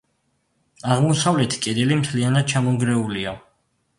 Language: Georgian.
აღმოსავლეთი კედელი მთლიანად ჩამონგრეულია.